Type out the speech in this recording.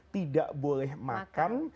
tidak boleh makan